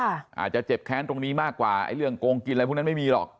อาจจะเจ็บแค้นตรงนี้มากกว่าไอ้เรื่องโกงกินอะไรพวกนั้นไม่มีหรอก